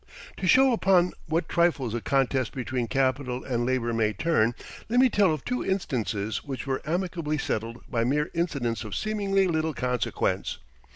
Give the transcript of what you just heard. To show upon what trifles a contest between capital and labor may turn, let me tell of two instances which were amicably settled by mere incidents of seemingly little consequence.